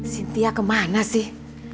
sintia kemana sih